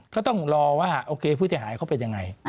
เขาต้องรอว่าโอเคพฤติหายเขาเป็นยังไง